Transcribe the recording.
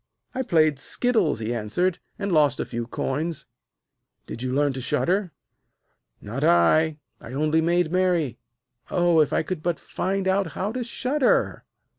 'I played skittles,' he answered, 'and lost a few coins.' 'Didn't you learn to shudder?' 'Not I. I only made merry. Oh, if I could but find out how to shudder.'